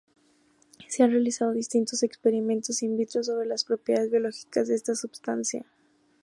Se han realizado distintos experimentos "in vitro" sobre las propiedades biológicas de esta substancia.